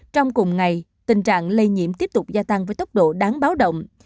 trong cùng ngày tình trạng lây nhiễm tiếp tục gia tăng với tốc độ đáng báo động